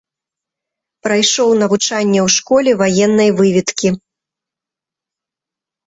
Прайшоў навучанне ў школе ваеннай выведкі.